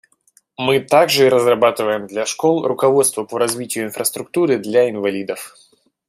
Мы также разрабатываем для школ руководство по развитию инфраструктуры для инвалидов.